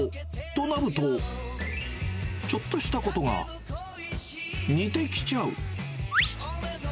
となると、ちょっとしたことが似てきちゃう。